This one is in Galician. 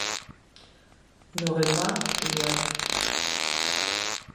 No Renoir igual.